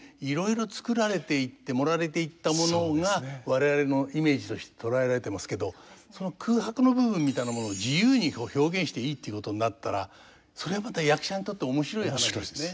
我々のイメージとして捉えられてますけどその空白の部分みたいなものを自由に表現していいっていうことになったらそれはまた役者にとって面白い話ですね。